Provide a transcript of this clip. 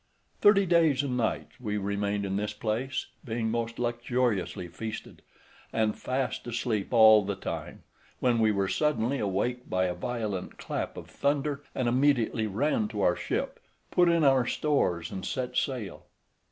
Thirty days and nights we remained in this place, being most luxuriously feasted, and fast asleep all the time, when we were suddenly awaked by a violent clap of thunder, and immediately ran to our ship, put in our stores, and set sail.